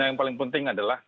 dan yang paling penting adalah